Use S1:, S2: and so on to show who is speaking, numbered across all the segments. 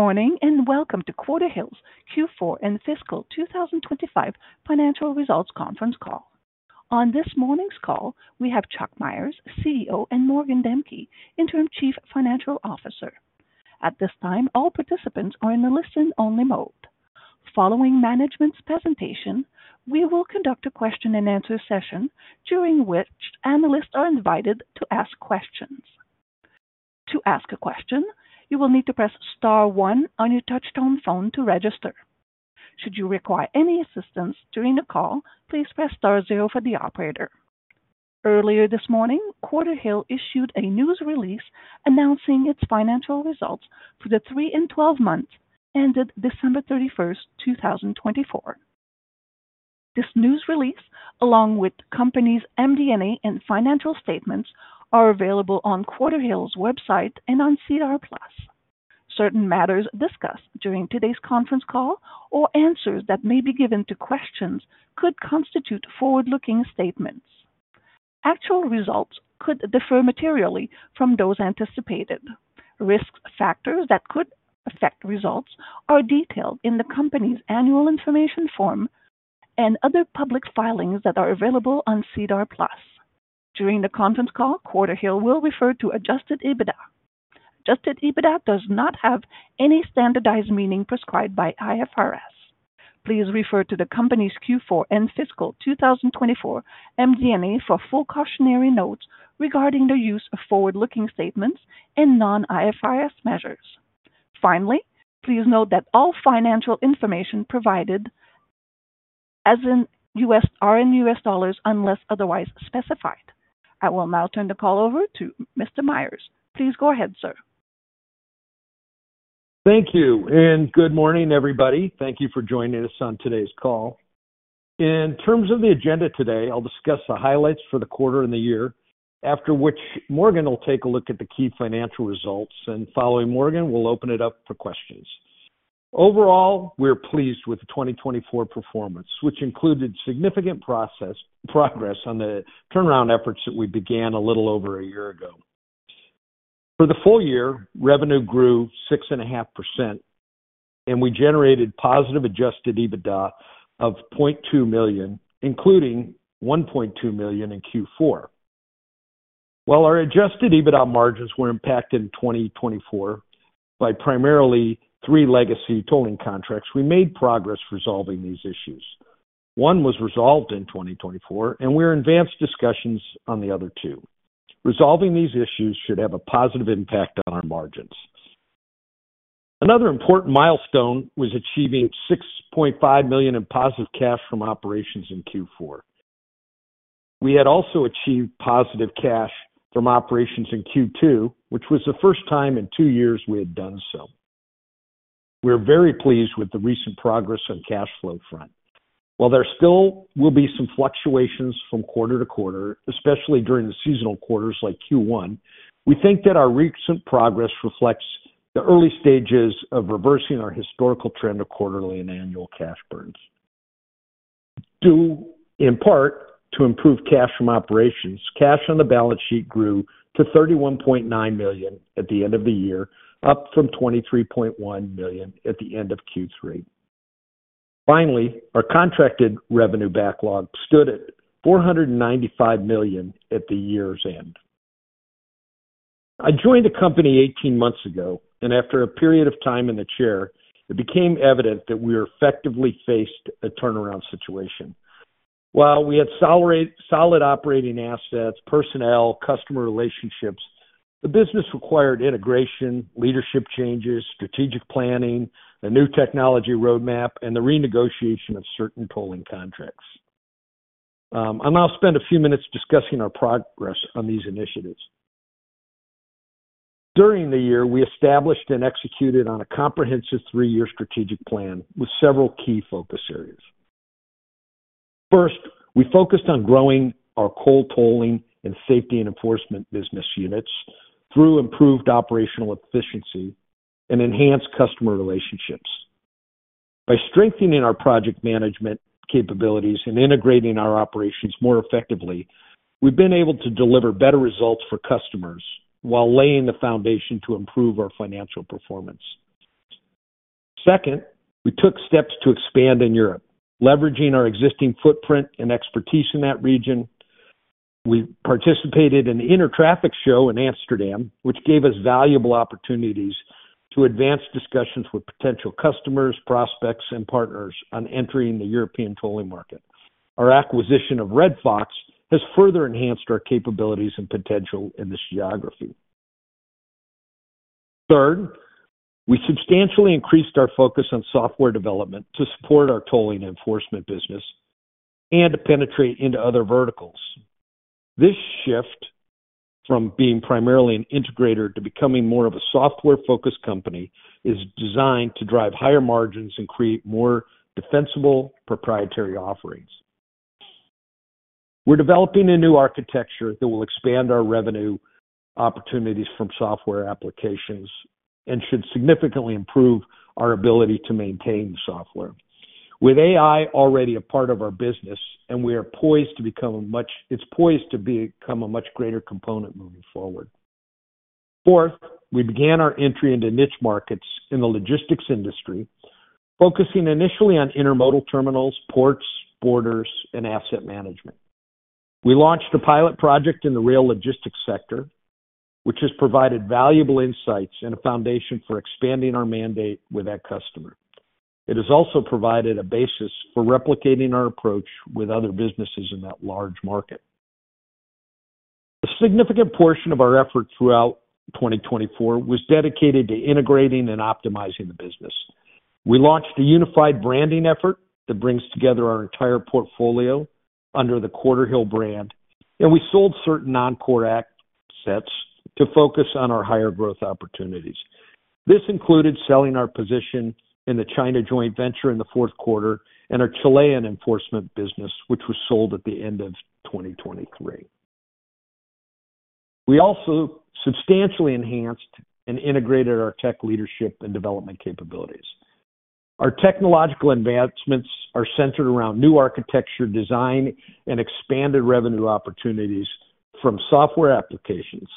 S1: Good morning and welcome to Quarterhill's Q4 and Fiscal 2025 Financial Results conference call. On this morning's call, we have Chuck Myers, CEO, and Morgan Demkey, Interim Chief Financial Officer. At this time, all participants are in a listen-only mode. Following management's presentation, we will conduct a question-and-answer session during which Analysts are invited to ask questions. To ask a question, you will need to press star one on your touch-tone phone to register. Should you require any assistance during the call, please press star zero for the Operator. Earlier this morning, Quarterhill issued a news release announcing its financial results for the three and twelve months ended December 31, 2024. This news release, along with the company's MD&A and financial statements, is available on Quarterhill's website and on SEDAR+. Certain matters discussed during today's conference call or answers that may be given to questions could constitute forward-looking statements. Actual results could differ materially from those anticipated. Risk factors that could affect results are detailed in the company's annual information form and other public filings that are available on SEDAR+. During the conference call, Quarterhill will refer to Adjusted EBITDA. Adjusted EBITDA does not have any standardized meaning prescribed by IFRS. Please refer to the company's Q4 and Fiscal 2024 MD&A for full cautionary notes regarding the use of forward-looking statements and non-IFRS measures. Finally, please note that all financial information provided as in US are in US dollars unless otherwise specified. I will now turn the call over to Mr. Myers. Please go ahead, sir.
S2: Thank you. Good morning, everybody. Thank you for joining us on today's call. In terms of the agenda today, I'll discuss the highlights for the quarter and the year, after which Morgan will take a look at the key financial results. Following Morgan, we'll open it up for questions. Overall, we're pleased with the 2024 performance, which included significant progress on the turnaround efforts that we began a little over a year ago. For the full year, revenue grew 6.5%, and we generated positive Adjusted EBITDA of $0.2 million, including $1.2 million in Q4. While our Adjusted EBITDA margins were impacted in 2024 by primarily three legacy tolling contracts, we made progress resolving these issues. One was resolved in 2024, and we're in advanced discussions on the other two. Resolving these issues should have a positive impact on our margins. Another important milestone was achieving $6.5 million in positive cash from operations in Q4. We had also achieved positive cash from operations in Q2, which was the first time in two years we had done so. We're very pleased with the recent progress on the cash flow front. While there still will be some fluctuations from quarter to quarter, especially during the seasonal quarters like Q1, we think that our recent progress reflects the early stages of reversing our historical trend of quarterly and annual cash burns. Due in part to improved cash from operations, cash on the balance sheet grew to $31.9 million at the end of the year, up from $23.1 million at the end of Q3. Finally, our contracted revenue backlog stood at $495 million at the year's end. I joined the company 18 months ago, and after a period of time in the chair, it became evident that we effectively faced a turnaround situation. While we had solid operating assets, personnel, and customer relationships, the business required integration, leadership changes, strategic planning, a new technology roadmap, and the renegotiation of certain tolling contracts. I'll now spend a few minutes discussing our progress on these initiatives. During the year, we established and executed on a comprehensive three-year strategic plan with several key focus areas. First, we focused on growing our tolling and safety and enforcement business units through improved operational efficiency and enhanced customer relationships. By strengthening our project management capabilities and integrating our operations more effectively, we've been able to deliver better results for customers while laying the foundation to improve our financial performance. Second, we took steps to expand in Europe, leveraging our existing footprint and expertise in that region. We participated in the Intertraffic show in Amsterdam, which gave us valuable opportunities to advance discussions with potential customers, prospects, and partners on entering the European tolling market. Our acquisition of Red Fox has further enhanced our capabilities and potential in this geography. Third, we substantially increased our focus on software development to support our tolling enforcement business and to penetrate into other verticals. This shift from being primarily an integrator to becoming more of a software-focused company is designed to drive higher margins and create more defensible proprietary offerings. We're developing a new architecture that will expand our revenue opportunities from software applications and should significantly improve our ability to maintain the software. With AI already a part of our business, and we are poised to become a much—it is poised to become a much greater component moving forward. Fourth, we began our entry into niche markets in the logistics industry, focusing initially on intermodal terminals, ports, borders, and asset management. We launched a pilot project in the rail logistics sector, which has provided valuable insights and a foundation for expanding our mandate with that customer. It has also provided a basis for replicating our approach with other businesses in that large market. A significant portion of our effort throughout 2024 was dedicated to integrating and optimizing the business. We launched a unified branding effort that brings together our entire portfolio under the Quarterhill brand, and we sold certain non-core assets to focus on our higher growth opportunities. This included selling our position in the China joint venture in the fourth quarter and our Chilean enforcement business, which was sold at the end of 2023. We also substantially enhanced and integrated our tech leadership and development capabilities. Our technological advancements are centered around new architecture design and expanded revenue opportunities from software applications.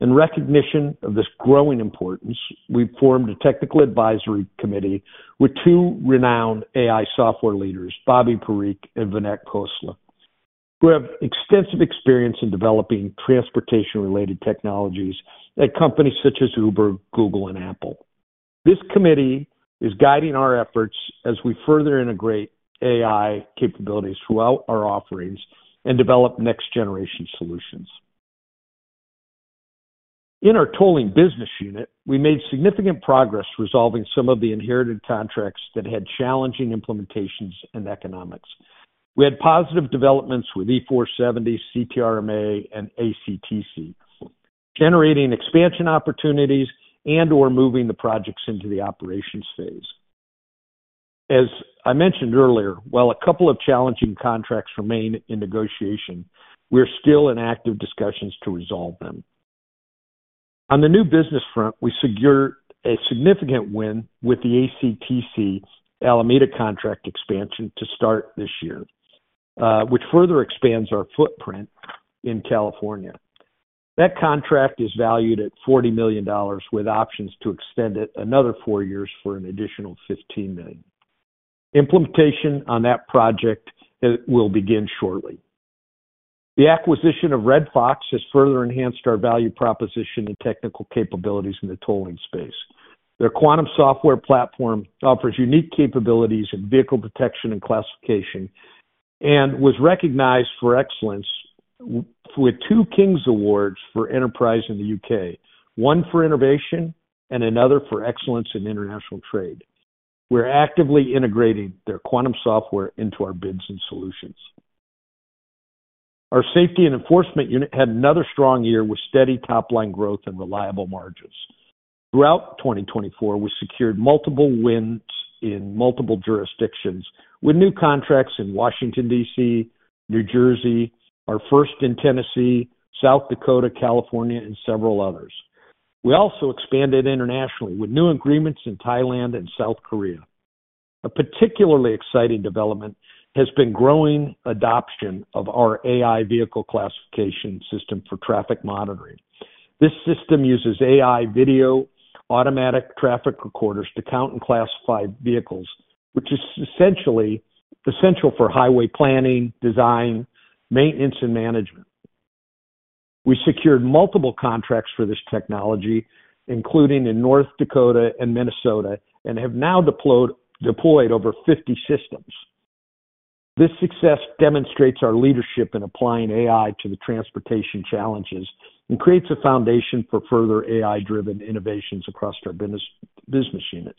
S2: In recognition of this growing importance, we formed a technical advisory committee with two renowned AI software leaders, Bobby Parikh and Vineet Khosla, who have extensive experience in developing transportation-related technologies at companies such as Uber, Google, and Apple. This committee is guiding our efforts as we further integrate AI capabilities throughout our offerings and develop next-generation solutions. In our tolling business unit, we made significant progress resolving some of the inherited contracts that had challenging implementations and economics. We had positive developments with E-470, CTRMA, and ACTC, generating expansion opportunities and/or moving the projects into the operations phase. As I mentioned earlier, while a couple of challenging contracts remain in negotiation, we're still in active discussions to resolve them. On the new business front, we secured a significant win with the ACTC Alameda contract expansion to start this year, which further expands our footprint in California. That contract is valued at $40 million, with options to extend it another four years for an additional $15 million. Implementation on that project will begin shortly. The acquisition of Red Fox has further enhanced our value proposition and technical capabilities in the tolling space. Their Quantum software platform offers unique capabilities in vehicle detection and classification and was recognized for excellence with two King's Awards for Enterprise in the U.K., one for innovation and another for excellence in international trade. We're actively integrating their Quantum software into our bids and solutions. Our safety and enforcement unit had another strong year with steady top-line growth and reliable margins. Throughout 2024, we secured multiple wins in multiple jurisdictions with new contracts in Washington, D.C., New Jersey, our first in Tennessee, South Dakota, California, and several others. We also expanded internationally with new agreements in Thailand and South Korea. A particularly exciting development has been growing adoption of our AI vehicle classification system for traffic monitoring. This system uses AI video automatic traffic recorders to count and classify vehicles, which is essentially essential for highway planning, design, maintenance, and management. We secured multiple contracts for this technology, including in North Dakota and Minnesota, and have now deployed over 50 systems. This success demonstrates our leadership in applying AI to the transportation challenges and creates a foundation for further AI-driven innovations across our business units.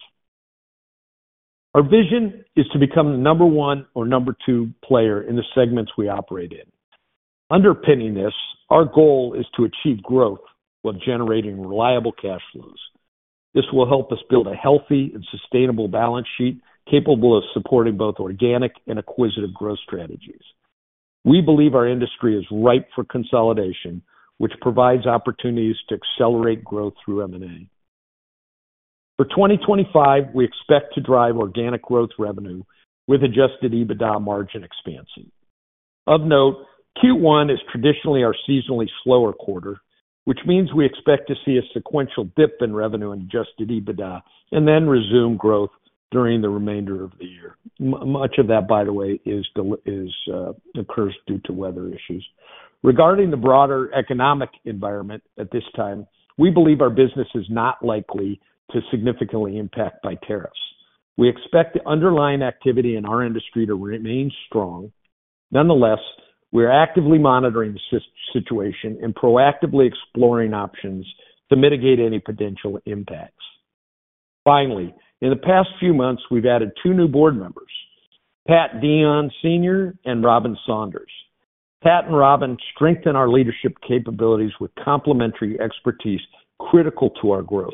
S2: Our vision is to become the number one or number two player in the segments we operate in. Underpinning this, our goal is to achieve growth while generating reliable cash flows. This will help us build a healthy and sustainable balance sheet capable of supporting both organic and acquisitive growth strategies. We believe our industry is ripe for consolidation, which provides opportunities to accelerate growth through M&A. For 2025, we expect to drive organic growth revenue with Adjusted EBITDA margin expansion. Of note, Q1 is traditionally our seasonally slower quarter, which means we expect to see a sequential dip in revenue and Adjusted EBITDA and then resume growth during the remainder of the year. Much of that, by the way, occurs due to weather issues. Regarding the broader economic environment at this time, we believe our business is not likely to be significantly impacted by tariffs. We expect the underlying activity in our industry to remain strong. Nonetheless, we're actively monitoring the situation and proactively exploring options to mitigate any potential impacts. Finally, in the past few months, we've added two new Board members, Pat Deon Sr. and Robin Saunders. Pat and Robin strengthen our leadership capabilities with complementary expertise critical to our growth.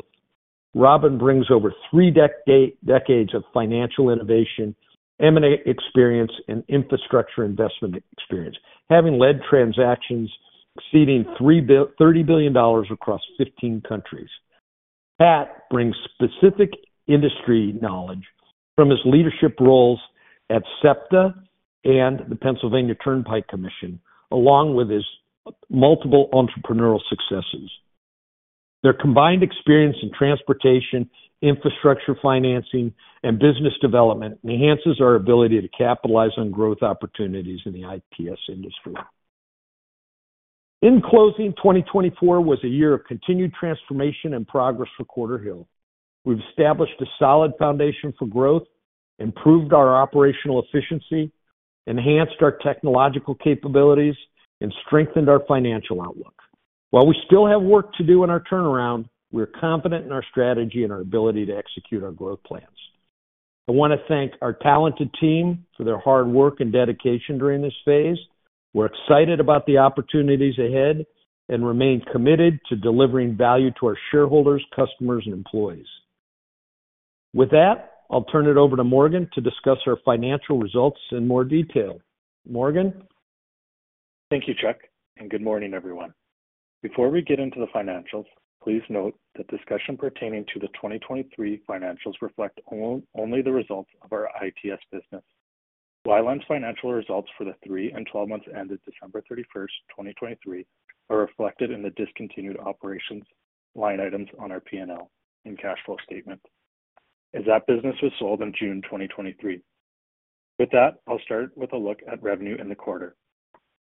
S2: Robin brings over three decades of financial innovation, M&A experience, and infrastructure investment experience, having led transactions exceeding $30 billion across 15 countries. Pat brings specific industry knowledge from his leadership roles at SEPTA and the Pennsylvania Turnpike Commission, along with his multiple entrepreneurial successes. Their combined experience in transportation, infrastructure financing, and business development enhances our ability to capitalize on growth opportunities in the ITS industry. In closing, 2024 was a year of continued transformation and progress for Quarterhill. We've established a solid foundation for growth, improved our operational efficiency, enhanced our technological capabilities, and strengthened our financial outlook. While we still have work to do in our turnaround, we're confident in our strategy and our ability to execute our growth plans. I want to thank our talented team for their hard work and dedication during this phase. We're excited about the opportunities ahead and remain committed to delivering value to our shareholders, customers, and employees. With that, I'll turn it over to Morgan to discuss our financial results in more detail. Morgan.
S3: Thank you, Chuck, and good morning, everyone. Before we get into the financials, please note that discussion pertaining to the 2023 financials reflects only the results of our ITS business. WiLAN's financial results for the three and twelve months ended December 31, 2023, are reflected in the discontinued operations line items on our P&L and cash flow statement, as that business was sold in June 2023. With that, I'll start with a look at revenue in the quarter.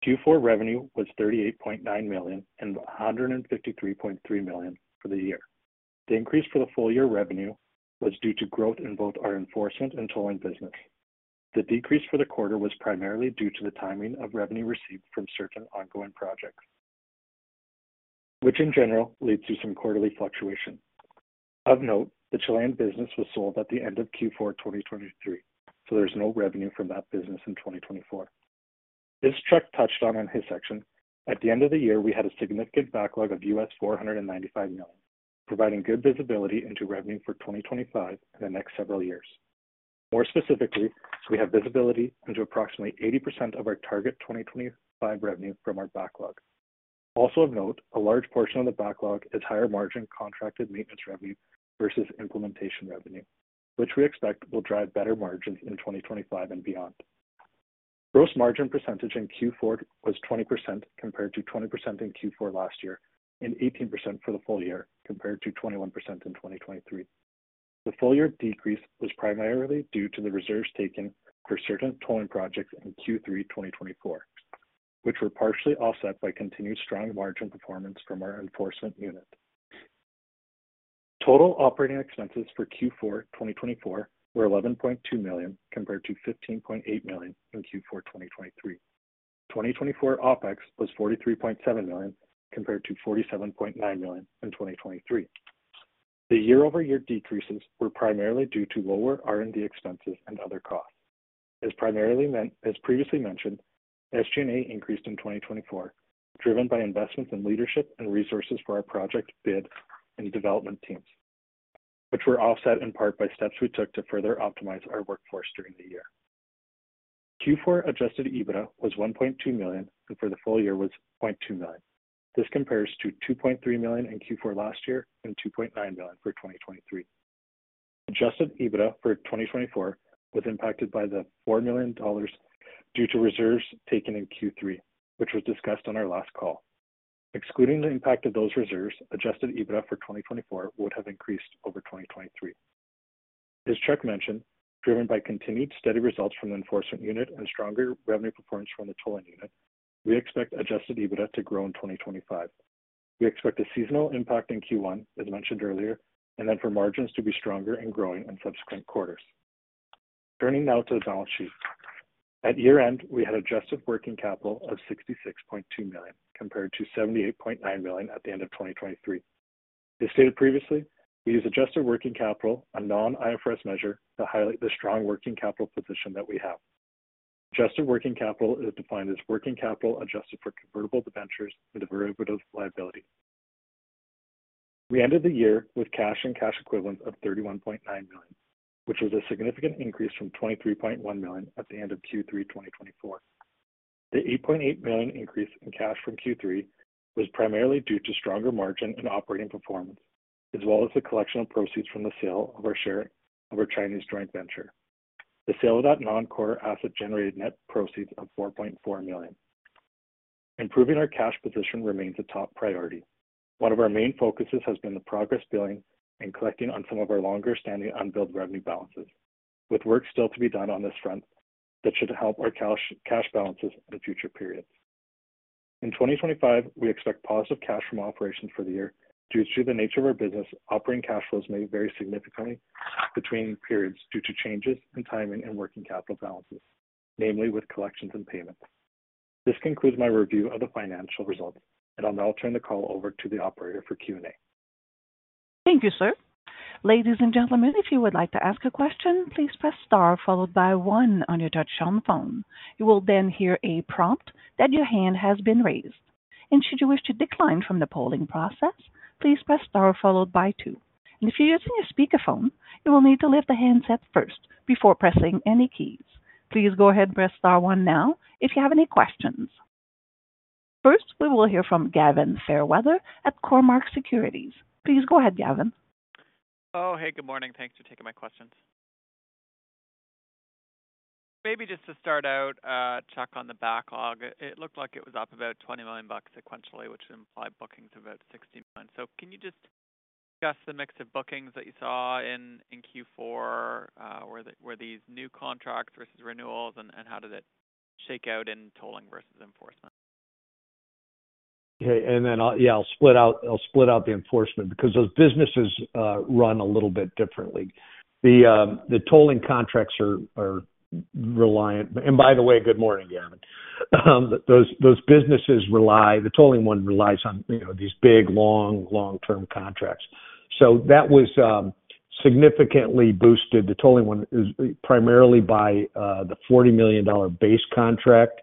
S3: Q4 revenue was $38.9 million and $153.3 million for the year. The increase for the full-year revenue was due to growth in both our enforcement and tolling business. The decrease for the quarter was primarily due to the timing of revenue received from certain ongoing projects, which in general leads to some quarterly fluctuation. Of note, the Chilean business was sold at the end of Q4 2023, so there's no revenue from that business in 2024. As Chuck touched on in his section, at the end of the year, we had a significant backlog of $495 million, providing good visibility into revenue for 2025 and the next several years. More specifically, we have visibility into approximately 80% of our target 2025 revenue from our backlog. Also of note, a large portion of the backlog is higher margin contracted maintenance revenue versus implementation revenue, which we expect will drive better margins in 2025 and beyond. Gross margin percentage in Q4 was 20% compared to 20% in Q4 last year and 18% for the full year compared to 21% in 2023. The full-year decrease was primarily due to the reserves taken for certain tolling projects in Q3 2024, which were partially offset by continued strong margin performance from our enforcement unit. Total operating expenses for Q4 2024 were $11.2 million compared to $15.8 million in Q4 2023. 2024 OpEx was $43.7 million compared to $47.9 million in 2023. The year-over-year decreases were primarily due to lower R&D expenses and other costs. As previously mentioned, SG&A increased in 2024, driven by investments in leadership and resources for our project bid and development teams, which were offset in part by steps we took to further optimize our workforce during the year. Q4 Adjusted EBITDA was $1.2 million, and for the full year was $0.2 million. This compares to $2.3 million in Q4 last year and $2.9 million for 2023. Adjusted EBITDA for 2024 was impacted by the $4 million due to reserves taken in Q3, which was discussed on our last call. Excluding the impact of those reserves, Adjusted EBITDA for 2024 would have increased over 2023. As Chuck mentioned, driven by continued steady results from the enforcement unit and stronger revenue performance from the tolling unit, we expect Adjusted EBITDA to grow in 2025. We expect a seasonal impact in Q1, as mentioned earlier, and then for margins to be stronger and growing in subsequent quarters. Turning now to the balance sheet, at year-end, we had adjusted working capital of $66.2 million compared to $78.9 million at the end of 2023. As stated previously, we use adjusted working capital, a non-IFRS measure, to highlight the strong working capital position that we have. Adjusted working capital is defined as working capital adjusted for convertible debentures and derivative liability. We ended the year with cash and cash equivalents of $31.9 million, which was a significant increase from $23.1 million at the end of Q3 2024. The $8.8 million increase in cash from Q3 was primarily due to stronger margin and operating performance, as well as the collection of proceeds from the sale of our share of our Chinese joint venture. The sale of that non-Quarterhill asset generated net proceeds of $4.4 million. Improving our cash position remains a top priority. One of our main focuses has been the progress billing and collecting on some of our longer-standing unbilled revenue balances, with work still to be done on this front that should help our cash balances in future periods. In 2025, we expect positive cash from operations for the year. Due to the nature of our business, operating cash flows may vary significantly between periods due to changes in timing and working capital balances, namely with collections and payments. This concludes my review of the financial results, and I'll now turn the call over to the operator for Q&A.
S1: Thank you, sir. Ladies and gentlemen, if you would like to ask a question, please press star followed by one on your touch on the phone. You will then hear a prompt that your hand has been raised. Should you wish to decline from the polling process, please press star followed by two. If you're using a speakerphone, you will need to lift the handset first before pressing any keys. Please go ahead and press star one now if you have any questions. First, we will hear from Gavin Fairweather at Cormark Securities. Please go ahead, Gavin.
S4: Oh, hey, good morning. Thanks for taking my questions. Maybe just to start out, Chuck, on the backlog, it looked like it was up about $20 million sequentially, which would imply bookings of about $60 million. Can you just discuss the mix of bookings that you saw in Q4? Were these new contracts versus renewals, and how did it shake out in tolling versus enforcement?
S2: Okay. Then I'll split out the enforcement because those businesses run a little bit differently. The tolling contracts are reliant—and by the way, good morning, Gavin—those businesses rely. The tolling one relies on these big, long, long-term contracts. That was significantly boosted. The tolling one is primarily by the $40 million base contract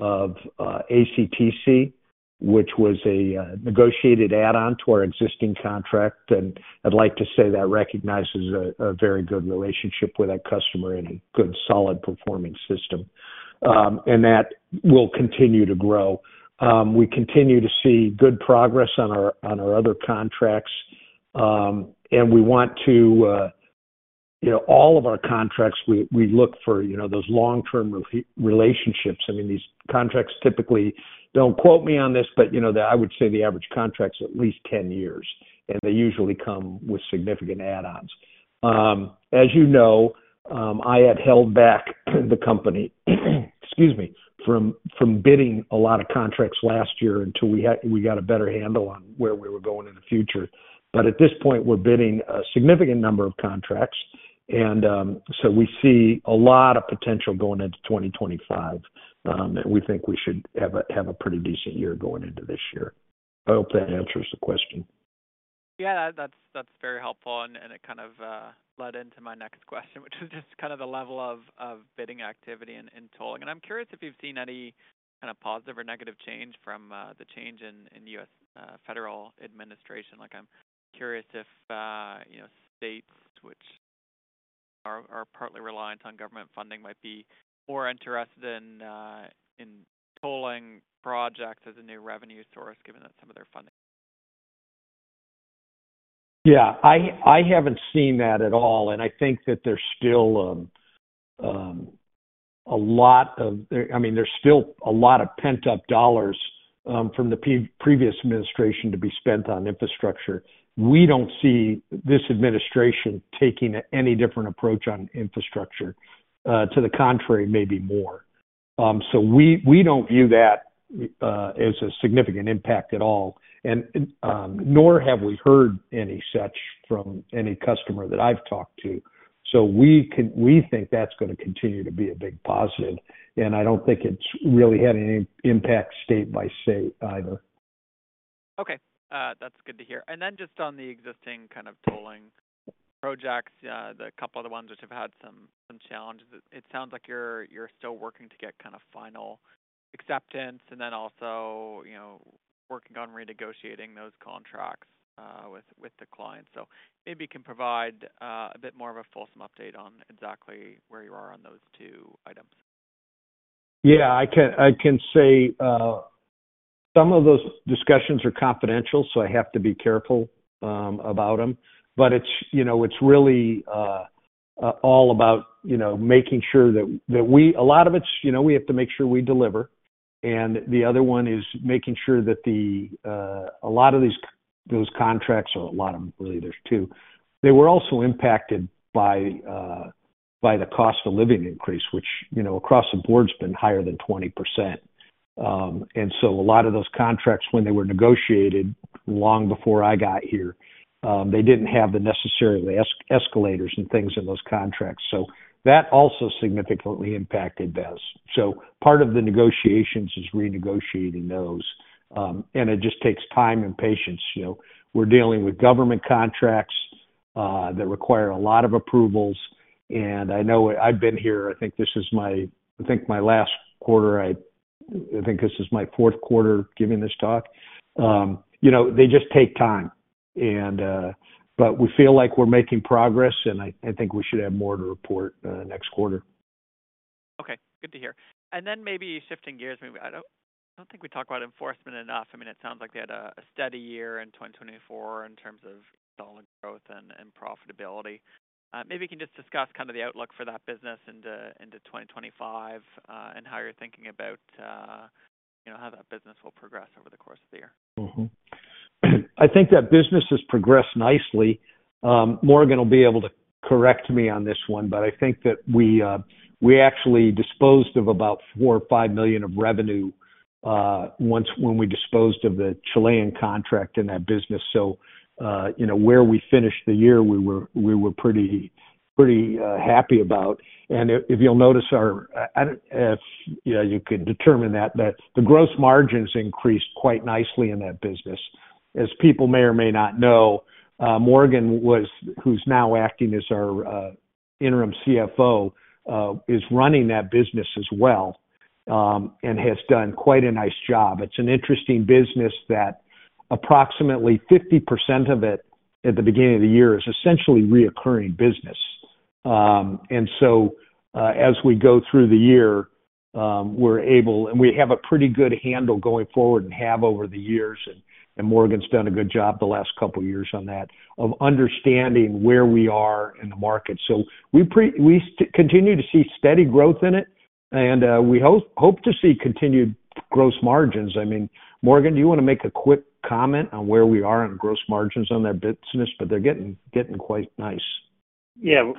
S2: of ACTC, which was a negotiated add-on to our existing contract. I'd like to say that recognizes a very good relationship with that customer and a good, solid performing system, and that will continue to grow. We continue to see good progress on our other contracts, and we want to—all of our contracts, we look for those long-term relationships. I mean, these contracts typically—do not quote me on this, but I would say the average contract is at least 10 years, and they usually come with significant add-ons. As you know, I had held back the company, excuse me, from bidding a lot of contracts last year until we got a better handle on where we were going in the future. At this point, we're bidding a significant number of contracts, and we see a lot of potential going into 2025, and we think we should have a pretty decent year going into this year. I hope that answers the question.
S4: Yeah, that's very helpful, and it kind of led into my next question, which was just kind of the level of bidding activity and tolling. I'm curious if you've seen any kind of positive or negative change from the change in U.S. federal administration. I'm curious if states, which are partly reliant on government funding, might be more interested in tolling projects as a new revenue source, given that some of their funding—
S2: Yeah, I haven't seen that at all, and I think that there's still a lot of—I mean, there's still a lot of pent-up dollars from the previous administration to be spent on infrastructure. We don't see this administration taking any different approach on infrastructure. To the contrary, maybe more. We don't view that as a significant impact at all, nor have we heard any such from any customer that I've talked to. We think that's going to continue to be a big positive, and I don't think it's really had any impact state by state either.
S4: Okay. That's good to hear. Just on the existing kind of tolling projects, the couple of the ones which have had some challenges, it sounds like you're still working to get kind of final acceptance and then also working on renegotiating those contracts with the client. Maybe you can provide a bit more of a fulsome update on exactly where you are on those two items.
S2: Yeah, I can say some of those discussions are confidential, so I have to be careful about them. It's really all about making sure that a lot of it's we have to make sure we deliver. The other one is making sure that a lot of these contracts or a lot of them, really, there's two. They were also impacted by the cost of living increase, which across the board has been higher than 20%. A lot of those contracts, when they were negotiated long before I got here, they didn't have the necessary escalators and things in those contracts. That also significantly impacted [BEZ]. Part of the negotiations is renegotiating those, and it just takes time and patience. We're dealing with government contracts that require a lot of approvals. I know I've been here—I think this is my, I think my last quarter. I think this is my fourth quarter giving this talk. They just take time. We feel like we're making progress, and I think we should have more to report next quarter.
S4: Okay. Good to hear. Maybe shifting gears, maybe I don't think we talked about enforcement enough. I mean, it sounds like they had a steady year in 2024 in terms of dollar growth and profitability. Maybe you can just discuss kind of the outlook for that business into 2025 and how you're thinking about how that business will progress over the course of the year.
S2: I think that business has progressed nicely. Morgan will be able to correct me on this one, but I think that we actually disposed of about $4 million or $5 million of revenue when we disposed of the Chilean contract in that business. Where we finished the year, we were pretty happy about. If you'll notice our—yeah, you could determine that—the gross margins increased quite nicely in that business. As people may or may not know, Morgan, who's now acting as our Interim CFO, is running that business as well and has done quite a nice job. It's an interesting business that approximately 50% of it at the beginning of the year is essentially reoccurring business. As we go through the year, we're able—and we have a pretty good handle going forward and have over the years, and Morgan's done a good job the last couple of years on that—of understanding where we are in the market. We continue to see steady growth in it, and we hope to see continued gross margins. I mean, Morgan, do you want to make a quick comment on where we are on gross margins on that business? They're getting quite nice.
S3: Yeah,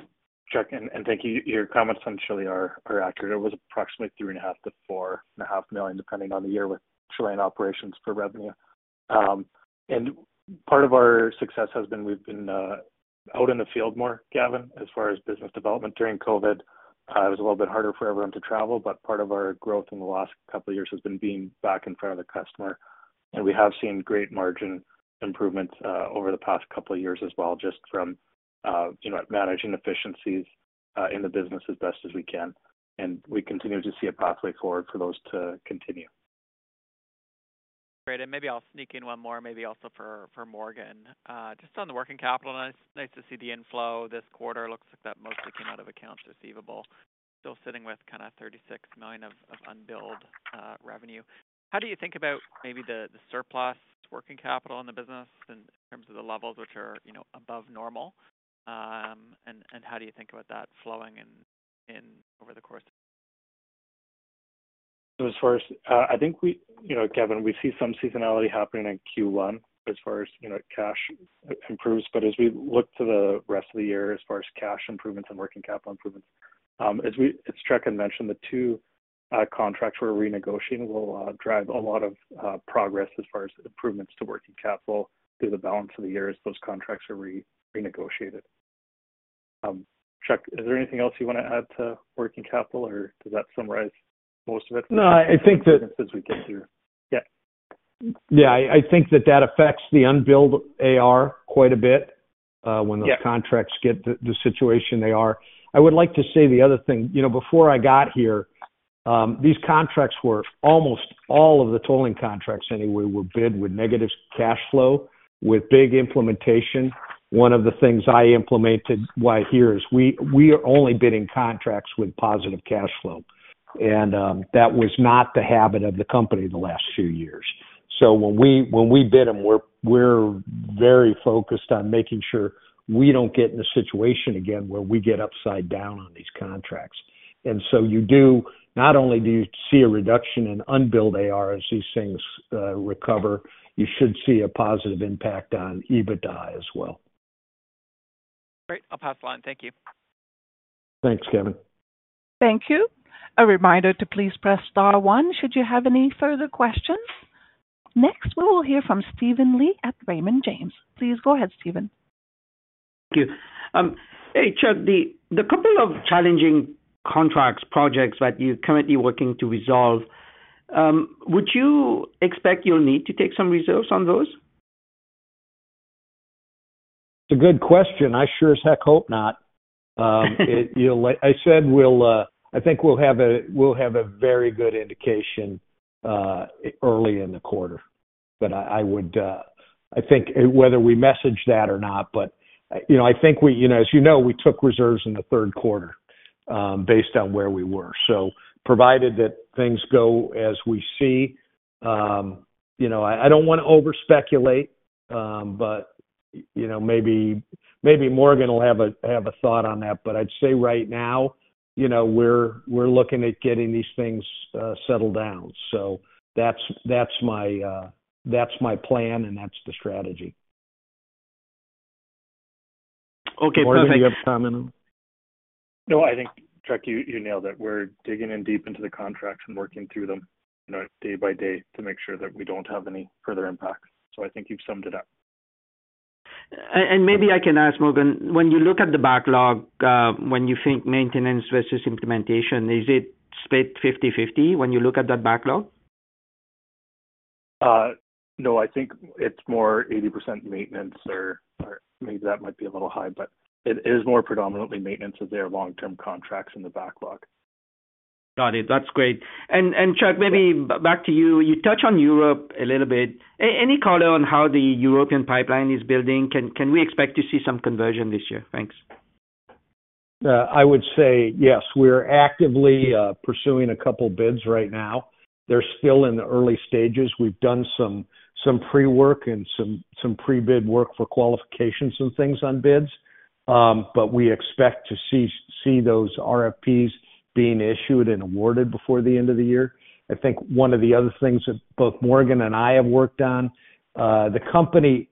S3: Chuck, and thank you. Your comments on Chile are accurate. It was approximately $3.5 million-$4.5 million, depending on the year with Chilean operations for revenue. Part of our success has been we've been out in the field more, Gavin, as far as business development. During COVID, it was a little bit harder for everyone to travel, but part of our growth in the last couple of years has been being back in front of the customer. We have seen great margin improvements over the past couple of years as well, just from managing efficiencies in the business as best as we can. We continue to see a pathway forward for those to continue.
S4: Great. Maybe I'll sneak in one more, maybe also for Morgan. Just on the working capital, nice to see the inflow this quarter. It looks like that mostly came out of accounts receivable. Still sitting with kind of $36 million of unbilled revenue. How do you think about maybe the surplus working capital in the business in terms of the levels which are above normal? How do you think about that flowing over the course of?
S3: As far as I think, Gavin, we see some seasonality happening in Q1 as far as cash improves. As we look to the rest of the year as far as cash improvements and working capital improvements, as Chuck had mentioned, the two contracts we're renegotiating will drive a lot of progress as far as improvements to working capital through the balance of the year as those contracts are renegotiated. Chuck, is there anything else you want to add to working capital, or does that summarize most of it?
S2: No, I think that.
S3: As we get through. Yeah.
S2: Yeah, I think that that affects the unbilled AR quite a bit when those contracts get the situation they are. I would like to say the other thing. Before I got here, these contracts were almost all of the tolling contracts anyway were bid with negative cash flow, with big implementation. One of the things I implemented while here is we are only bidding contracts with positive cash flow, and that was not the habit of the company the last few years. When we bid them, we're very focused on making sure we don't get in a situation again where we get upside down on these contracts. You do not only do you see a reduction in unbilled AR as these things recover, you should see a positive impact on EBITDA as well.
S4: Great. I'll pass the line. Thank you.
S2: Thanks, Gavin.
S1: Thank you. A reminder to please press star one should you have any further questions. Next, we will hear from Steven Li at Raymond James. Please go ahead, Steven.
S5: Thank you. Hey, Chuck, the couple of challenging contracts, projects that you're currently working to resolve, would you expect you'll need to take some reserves on those?
S2: It's a good question. I sure as heck hope not. I said I think we'll have a very good indication early in the quarter. I think whether we message that or not, I think, as you know, we took reserves in the third quarter based on where we were. Provided that things go as we see, I don't want to over-speculate, but maybe Morgan will have a thought on that. I'd say right now, we're looking at getting these things settled down. That's my plan, and that's the strategy.
S5: Okay. Perfect.
S2: Morgan, do you have a comment on that?
S3: No, I think, Chuck, you nailed it. We're digging in deep into the contracts and working through them day by day to make sure that we don't have any further impacts. I think you've summed it up.
S5: Maybe I can ask, Morgan, when you look at the backlog, when you think maintenance versus implementation, is it split 50/50 when you look at that backlog?
S3: No, I think it's more 80% maintenance, or maybe that might be a little high, but it is more predominantly maintenance as they are long-term contracts in the backlog.
S5: Got it. That's great. Chuck, maybe back to you. You touched on Europe a little bit. Any color on how the European pipeline is building? Can we expect to see some conversion this year? Thanks.
S2: I would say yes. We're actively pursuing a couple of bids right now. They're still in the early stages. We've done some pre-work and some pre-bid work for qualifications and things on bids, but we expect to see those RFPs being issued and awarded before the end of the year. I think one of the other things that both Morgan and I have worked on, the company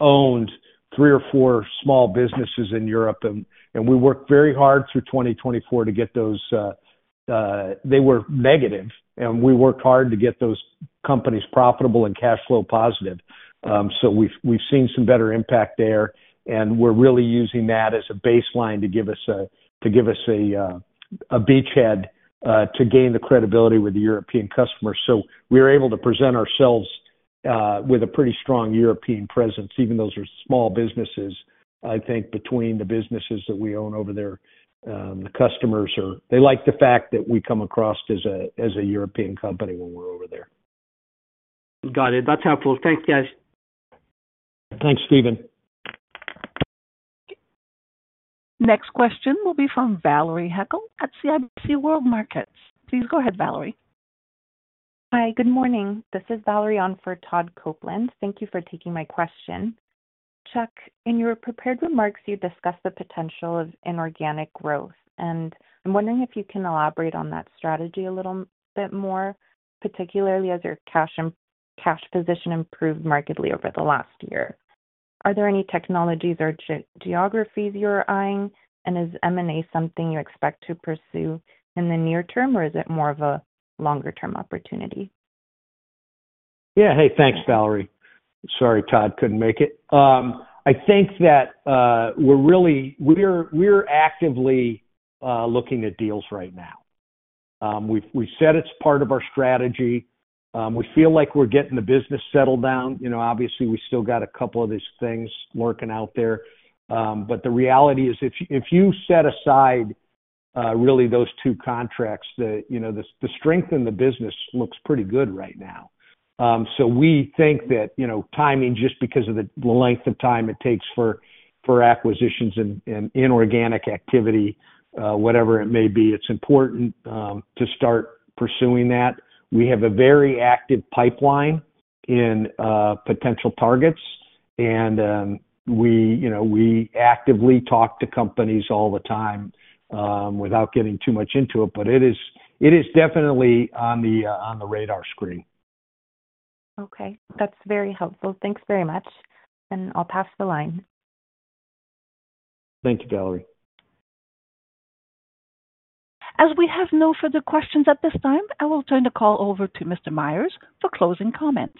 S2: owned three or four small businesses in Europe, and we worked very hard through 2024 to get those, they were negative, and we worked hard to get those companies profitable and cash flow positive. We've seen some better impact there, and we're really using that as a baseline to give us a beachhead to gain the credibility with the European customers. We were able to present ourselves with a pretty strong European presence, even though those are small businesses. I think, between the businesses that we own over there, the customers like the fact that we come across as a European company when we're over there.
S5: Got it. That's helpful. Thanks, guys.
S2: Thanks, Steven.
S1: Next question will be from Valery Heckel at CIBC World Markets. Please go ahead, Valerie.
S6: Hi, good morning. This is Valerie on for Todd Coupland. Thank you for taking my question. Chuck, in your prepared remarks, you discussed the potential of inorganic growth, and I'm wondering if you can elaborate on that strategy a little bit more, particularly as your cash position improved markedly over the last year. Are there any technologies or geographies you're eyeing, and is M&A something you expect to pursue in the near term, or is it more of a longer-term opportunity?
S2: Yeah. Hey, thanks, Valery. Sorry, Todd couldn't make it. I think that we're actively looking at deals right now. We've said it's part of our strategy. We feel like we're getting the business settled down. Obviously, we still got a couple of these things lurking out there. The reality is, if you set aside really those two contracts, the strength in the business looks pretty good right now. We think that timing, just because of the length of time it takes for acquisitions and inorganic activity, whatever it may be, it's important to start pursuing that. We have a very active pipeline in potential targets, and we actively talk to companies all the time without getting too much into it. It is definitely on the radar screen.
S6: Okay. That's very helpful. Thanks very much. I'll pass the line.
S2: Thank you, Valerie.
S1: As we have no further questions at this time, I will turn the call over to Mr. Myers for closing comments.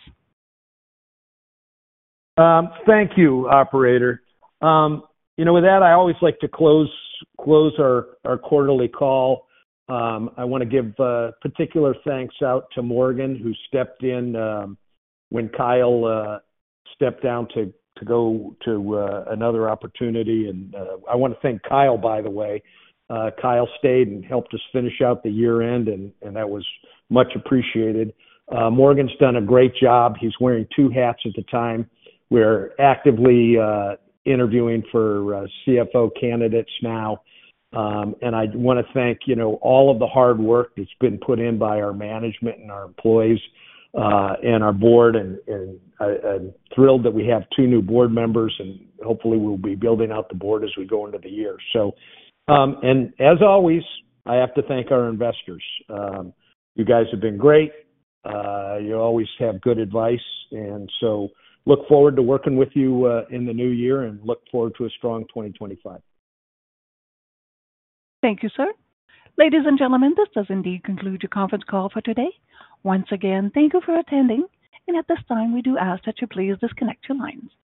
S2: Thank you, Operator. With that, I always like to close our quarterly call. I want to give particular thanks out to Morgan, who stepped in when Kyle stepped down to go to another opportunity. I want to thank Kyle, by the way. Kyle stayed and helped us finish out the year-end, and that was much appreciated. Morgan's done a great job. He's wearing two hats at a time. We're actively interviewing for CFO candidates now. I want to thank all of the hard work that's been put in by our management and our employees and our board. I'm thrilled that we have two new Board members, and hopefully, we'll be building out the Board as we go into the year. As always, I have to thank our investors. You guys have been great. You always have good advice. I look forward to working with you in the new year and look forward to a strong 2025.
S1: Thank you, sir. Ladies and gentlemen, this does indeed conclude your conference call for today. Once again, thank you for attending. At this time, we do ask that you please disconnect your lines.